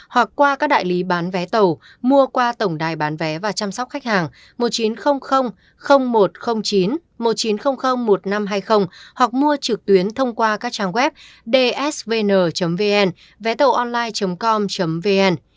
hoặc qua các đại lý bán vé tàu mua qua tổng đài bán vé và chăm sóc khách hàng một nghìn chín trăm linh một trăm linh chín một nghìn chín trăm linh một nghìn năm trăm hai mươi hoặc mua trực tuyến thông qua các trang web dsvn vn vé tàu online com vn